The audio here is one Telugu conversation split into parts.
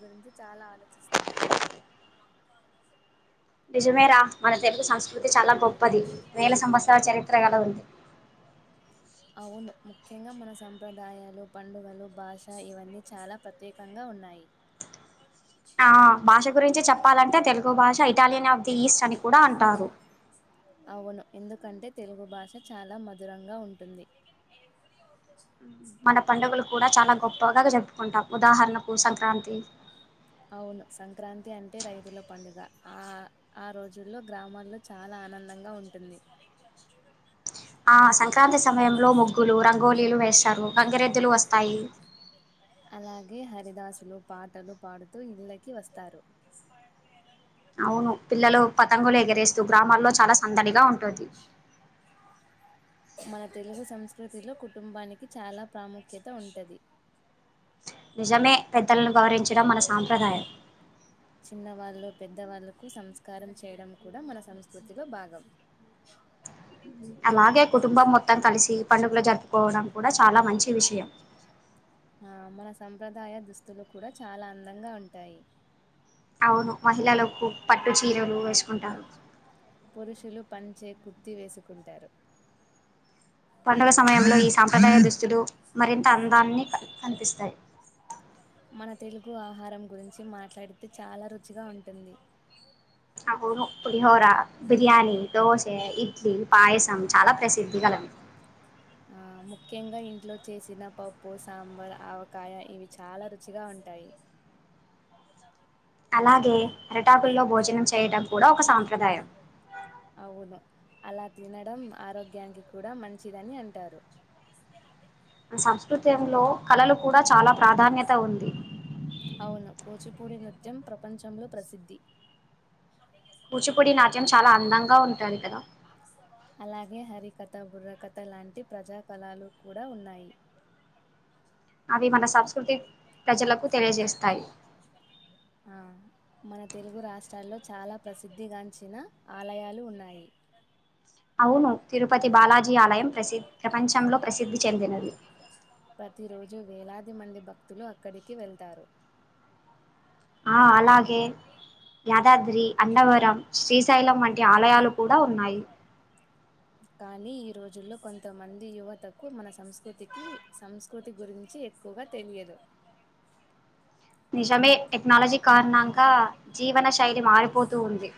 గురించి చాలా ఆలోచిస్తున్నాను. నిజమే రా మన తెలుగు సంస్కృతి చాలా గొప్పది వేల సంవత్సరాల చరిత్ర గల ఉంది. అవును ముఖ్యంగా మన సంప్రదాయాలు, పండుగలు, భాష ఇవన్నీ చాలా ప్రత్యేకంగా ఉన్నాయి. ఆ భాష గురించి చెప్పాలంటే తెలుగు భాష ఎ చాలీనం తీస్ అని కూడా అంటారు. అవును ఎందుకంటే తెలుగు భాష చాలా మధురంగా ఉంటుంది. మన పండుగలు కూడా చాలా గొప్పగా జరుపుకుంటాం. ఉదాహరణకు సంక్రాంతి అవును సంక్రాంతి అంటే రైతుల పండుగ ఆ ఆ రోజుల్లో గ్రామాల్లో చాలా ఆనందంగా ఉంటుంది. ఆ సంక్రాంతి సమయంలో ముగ్గులు రంగు గోలీలు వేస్ తరు గంగరెద్దులు వస్తాయి. అలాగే హరిదాసులు పాటలు పాడుతూ ఇళ్ళకి వస్తారు. అవును పిల్లలు పతంగులు ఎగిరేస్తూ గ్రామాల్లో చాలా సందడిగా ఉంటుంది. మన తెలుగు సంస్కృతిలో కుటుంబానికి చాలా ప్రాముఖ్యత ఉంటది. నిజమే పెద్దలను గౌరవించడం మన సాంప్రదాయం. చిన్న వాళ్ళు పెద్ద వాళ్ళలకు సంస్కారం చేయడం కూడా మన సంస్కృతిలో భాగం అలాగే కుటుంబం మొత్తం కలిసి పండుగలు జరుపుకుం కప్పుకోవడం కూడా చాలా మంచి విషయం. ఆ మన సంప్రదాయ దుస్తులు కూడా చాలా అందంగా ఉంటాయి. అవును మహిళలులకు ప పట్టు చీరలు వేసుకుంటారు. పంచే కుర్తి వేసుకుంటారు. పండుగ సమయంలో ఈ సాంప్రదాయ దుస్తులు మరింత అందాన్ని కనిపిస్తాయి. మన తెలుగు ఆహారం గురించి మాట్లాడితే చాలా రుచిగా ఉంటుంది. అవును పులిహోర బిర్యానీ దోశ ఇడ్లీ పాయసం చాలా ప్రసిద్ధి గలవి. ఆ ముఖ్యంగా ఇంట్లో చేసిన పప్పు సాంబార్ ఆవకాయ ఇవి చాలా రుచిగా ఉంటాయి. అలాగే అరిటాకుల్లో భోజనం చేయడం కూడా ఒక సాంప్రదాయం. అవును అలా తినడం ఆరోగ్యానికి కూడా మంచిదని అంటారు. మన సంస్కృతంలో కళలు కూడా చాలా ప్రాధాన్యత ఉంది పూడి నృత్యం ప్రపంచంలో ప్రసిద్ధి. కూచిపూడి నాట్యం చాలా అందంగా ఉంటంది కదా. కథ బుర్రకథ లాంటి ప్రజాకళాలు కూడా ఉన్నాయి. అది మన సంస్కృతి ప్రజలకు తెలియజేస్తాయి. ఆ మన తెలుగు రాష్ట్రాల్లో చాలా ప్రసిద్ధిగాంచిన ఆలయాలు ఉన్నాయి. అవును తిరుపతి బాలాజీ ఆలయం ప్రసిద్ ప్రపంచంలో ప్రసిద్ధి చెందినది. ప్రతిరోజు వేలాది మంది భక్తులు అక్కడికి వెళ్తారు. ఆ అలాగే దాద్రి అన్నవరం శ్రీశ్ శైలం వంటి ఆలయాలు కూడా ఉన్నాయి. కానీ ఈ రోజుల్లో కొంతమంది యువతకు మన సంస్కృతికి సంస్కృతి గురించి ఎక్కువగా తెలియదు. నిజమే టెక్నాలజీ కారణంగా జీవన శైలి మారిపోతూ ఉంది.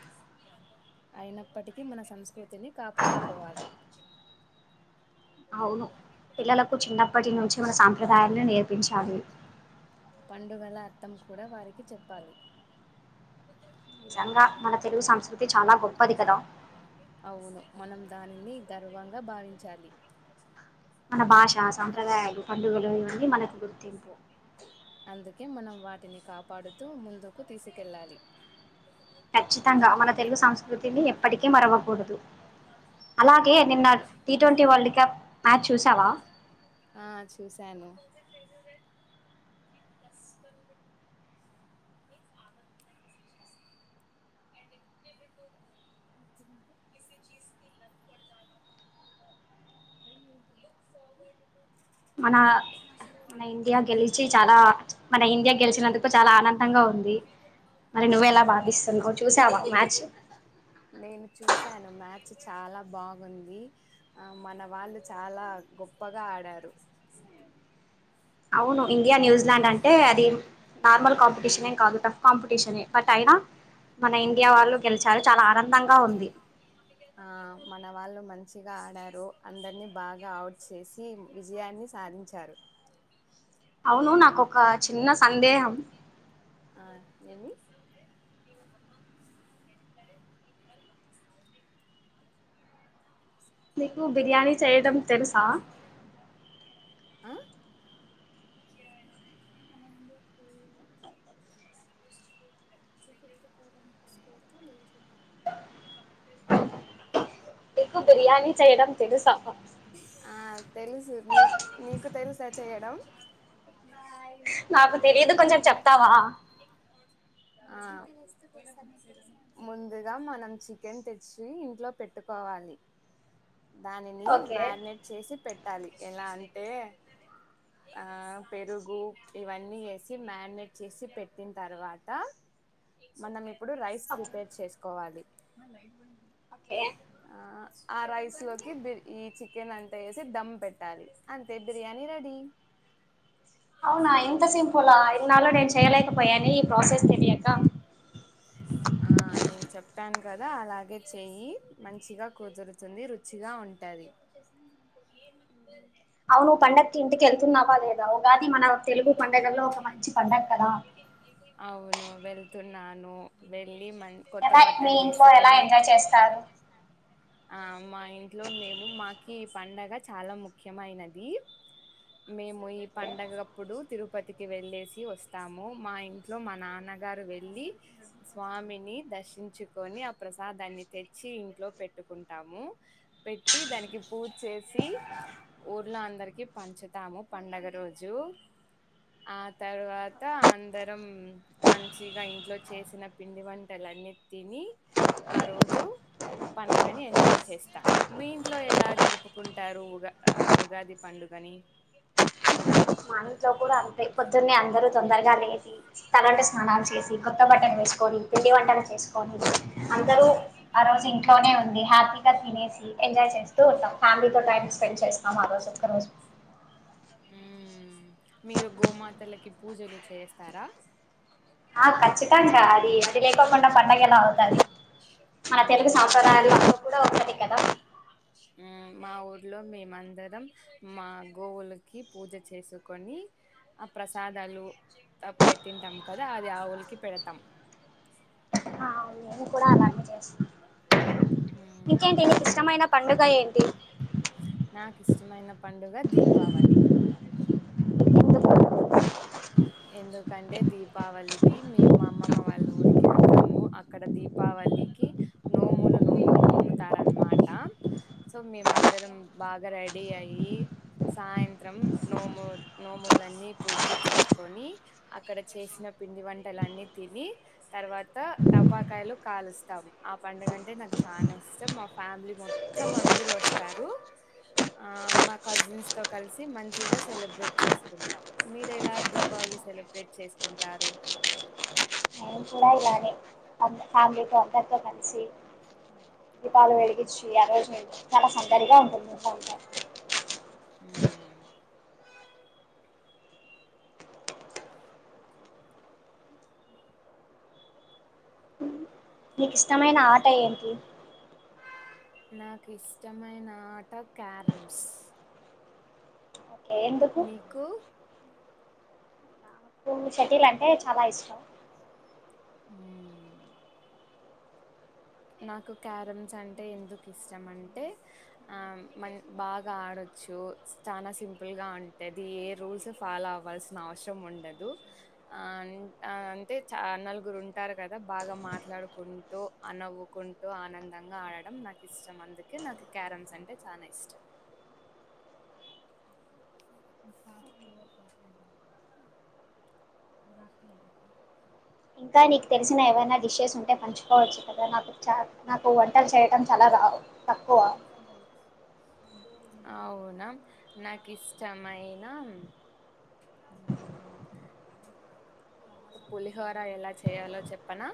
అయినప్పటికీ మన సంస్కృతిని కాపాడుకోవాలి. అవును పిల్లలకు చిన్నప్పటి నుంచి మన సాంప్రదాయాలను నేర్పించాలి. పండుగల అర్థం కూడా వారికి చెప్పాలి. నిజంగా మన తెలుగు సంస్కృతి చాలా గొప్పది కదా. అవును మనం దానిని గర్వంగా భావించాలి. మన భాష సాంప్రదాయాలు పండుగలు ఇవన్నీ మనకు గుర్తింపు అందుకే మనం వాటిని కాపాడుతూ ముందుకు తీసుకెళ్ళాలి ఖచ్చితంగా మన తెలుగు సంస్కృతిని ఎప్పటికీ మరవకూడదు అలాగే నిన్న T twenty world cup match చూసావా చూసాను [inaudible] [inaudible] [inaudible] మన మన ఇండియా గెలిచి చాలా మన ఇండియా గెలిచినందుకు చాలా ఆనందంగా ఉంది మరి నువ్వు ఎలా భావిస్తున్నావు చూసావా మ్యాచ్ నేను చూసి సాను మ్యాచ్ చాలా బాగుంది ఆ మన వాళ్ళు చాలా గొప్పగా ఆడారు. అవును ఇండియా న్యూజిలాండ్ అంటే అది నార్మల్ కాంపిటీషనే కాదు టఫ్ కాంపిటీషనే బట్ అయినా మన ఇండియా వాళ్ళు గెలిచారు చాలా ఆనంద ఆ మన వాళ్ళు మంచి మంచిగా ఆడారు అందరినీ బాగా అవుట్ చేసి విజయాన్ని సాధించారు. అవును నాకొక చిన్న సందేహం. ఆ ఏమి నీకు బిర్యానీ చేయడం తెలుసా ఆ [inaudible] నీకు బిర్యానీ చేయడం తెలుసా ఆ తెలుసు నీ నీకు తెలుసా చెయడం నాకు తెలీయదు కొంచెం చెప్తావా ఆ ముందుగా మనం చికెన్ తెచ్చి ఇంట్లో పెట్టుకోవాలి. దానిని ఓకే మ్యారినేట్ చేసి పెట్ పెట్టాలి ఎలా అంటే ఆ పెరుగు ఇవన్నీ వేసి మ్యారినేట్ చేసి పెట్టిన తర్వాత మనం ఇప్పుడు రైస్ ఓకే ప్రిపేర్ చేసుకోవాలి దానిలో ఏయిమంది ఓకే ఆ రైస్ లోకి బిర్ ఈ చికెన్ అంతా వేసి దమ్ పెట్టాలి అంతే బిర్యానీ రెడీ. అవునా ఇంత సింపులా ఇన్నాళ్ళ నేను చేయలేకపోయానే ప్రోసెస్ తెలియక ఆ నేను చెప్పాను కదా అలాగే చెయ్యి మంచిగా కుదురుతుంది రుచిగా ఉంటది అవును పండగకి ఇంటికివేళ్తున్నావా లేదా గాని మన తెలుగు పండుగల్లో ఒక మంచి పండగ కదా అవును వెళ్తున్నాను వెళ్ళి మన్ ఎలా మీ ఇంట్లో ఎలా ఎంజాయ్ చేస్తారు ఆ మా ఇంట్లో మేము మాకి ఈ పండగ చాలా ముఖ్యమైనది మేము ఈ ఓకే, పండగ అప్పుడు తిరుపతికి వెళ్ళేసి వస్తాము మా ఇంట్లో మా నాన్నగారు వెళ్ళి స్వామిని దర్శించుకొని ఆ ప్రసాదాన్ని తెచ్చి ఇంట్లో పెట్టుకుంటాము పెట్టి దానికి పూజ చేసి ఊర్లో అందరికి పంచుతాము పండగ రోజు ఆ తర్వాత అందరం మంచిగా ఇంట్లో చేసిన పిండి వంటలున్నీ తిని ఆ రోజు పండుగని ఎంజాయ్ చేస్తాము మీ ఇంట్లో ఎలా జరుపుకుంటారు ఉగా ఉగాది పండుగని మా ఇంట్లో కూడా అంతే కొద్ ని అందరు తొందరగా లేసి తలంటు స్నానాలు చేసి కొత్త బట్టలు వేసుకొని పిండి వంటలు చేసుకొని అందరూ ఆ రోజు ఇంట్లోనే ఉండి హ్యాపీగా తినేసి ఎంజాయ్ చేస్తూ ఉంటాం ఫ్యామిలీతో టైం స్పెండ్ చేస్తాం ఆ రోజు ఒక్క రోజు ఉ మీరు గోమాతలకి పూజలు చేస్తారా ఆ కచ్చితంగా అది అది లేకుండా పండగ ఎలా అవుతది మన తెలుగు మా సాంప్రదాయాలు ఊర్లో అవి కూడా ఆ ఒకటి కదా మా ఊర్లో మేమందరం మా గోవులకి పూజ చేసుకొని ఆ ప్రసాదాలు పెట్టింటాం కదా అది ఆవుల కి పెడతాం ఆ మేం కూడా అలానే చేస్తాం మ్మ్ ఇంకేంటి నీకు ఇష్టమైన పండుగ ఏంటి కిష్టమైన పండుగ దీపావళి [unintelligible] ఎందుకంటే దీపావళికి మే అమ్మమ్మ వాళ్ళ ఊరికి వెళ్తాము అక్కడ దీపావళికి నోములు నో నోముతార అనమాట సో మేముందరం బాగా రెడీ అయి సాయంత్రం నోము నోములన్నీ పూ తీ చేేసుకొని అక్కడ చేసిన పిండి వంటలు అన్నీ తిని తర్వాత టపాకాయలు కాలుస్తాం ఆ పండగ అంటే నాకు చాలా ఇష్టం మా ఫ్యామిలీ మొత్తం అందర వస్తారు మా కజిన్స్తో కలిసి మంచిగా సెలబ్రేట్ చేసుకుంటాం మీరు ఇలా దీపావళి సెలబ్రేట్ చేసుకుంటారు నేను కూడా ఇలానే ఫ్యామిలీతో అందరితో కలిసి [unintelligible] షి అరేంజ్మెంట్ చాలా సందడిగా ఉంటుంది మ్మ్. [unintelligible] నీకు ఇష్టమైన ఆట ఏంటి నాకు ఇష్టమైన ఆట క్యారమ్స్ ఓకే ఎందుకు మీకు హమ్ షటిల్ అంటే చాలా ఇష్టం [unintelligible] నాకు క్యారమ్స్ అంటే ఎందుకు ఇష్టం అంటే ఆ మ బాగా ఆడొచ్చు చాలా సింపుల్గా ఉంటుంది ఏ రూల్స్ ఫాలో అవ్వాల్సిన అవసరం ఉండదు ఆ అంటే చ నలుగురు ఉంటారు కదా బాగా మాట్లాడుకుంటూ అనవు ఆనుకుంటూ ఆనందంగా ఆడడం నాకు ఇష్టం అందుకే నాకు క్యారమ్స్ అంటే చానా ఇష్టం [inaudible] ఇంకా నీకు తెలిసిన ఏవైనా డిషెస్ ఉంటే పంచుకోవచ్చు కదా నాకు చ నాకు వంటలు చేయడం చాలా రా త [inaudible] అవునా నాకు ఇష్టమయినా పులిహోర ఎలా చేయాలో చెప్పనా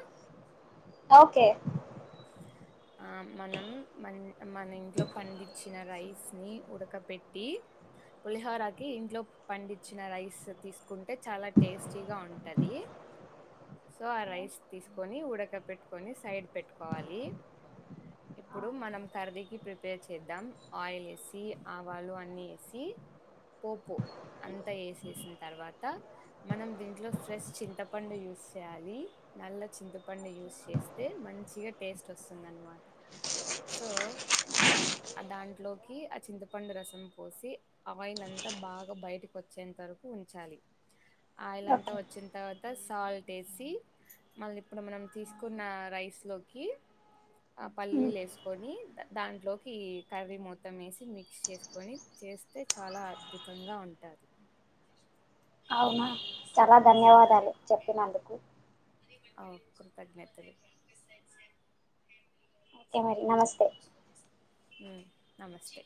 ఓకే మనం మన మన ఇంట్లో పండించిన రైస్ని ఉడకపెట్టి పులిహోరకి ఇంట్లో పండించిన రైస్ తీసుకుంటే చాలా టేస్టీగా ఉంటుంది సో ఆ రైస్ తీసుకొని ఉడకపెట్టుకొని సైడ్ పెట్టుకోవాలి ఇప్పుడు మనం కర్రీ ప్రిపేర్ చేద్దాం ఆయిల్ వేసి ఆవాలు అన్ని వేసి పోపు అంతా వేసేసిన తర్వాత మనం దీంట్లో ఫ్రెష్ చింతపండు యూస్ చేయాలి నల్ల చింతపండు యూస్ చేస్తే మంచిగా టేస్ట్ వస్తు వస్తుందనమాట సో ఆ దాంట్లోకి ఆ చింతపండు రసం పోసి ఆయిల్ అంతా బాగా బయటకి వచ్చేంత వరకు ఉంచాలి ఆయిల్ అంతా ఓకే వచ్చిన తర్వాత సాల్ట్ వేసి మళ్ళీ ఇప్పుడు మనం తీసుకున్న రైస్లోకి ఆ పల్లీలు వేసుకొని దాంట్లోకి కర్రీ మొత్తం వేసి మిక్స్ చేసుకొని చేస్తే చాలా అద్భుతంగా ఉంటుంది అవునా చాలా ధన్యవాదాలు చెప్పినందుకు అఓ కృతజ్ఞతలు ఐతే మరి నమస్ స్తే మ్మ్ నమస్తే